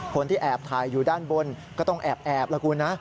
คนที่แอบถ่ายอยู่ด้านบนก็ต้องแอบละคุณนะ